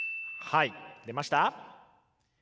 はい出ました。